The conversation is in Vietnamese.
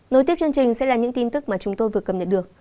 nối tiếp chương trình sẽ là những tin tức mà chúng tôi vừa cầm nhận được